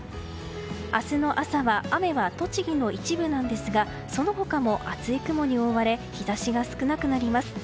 明日の朝は雨は栃木の一部ですがその他も厚い雲に覆われ日差しが少なくなります。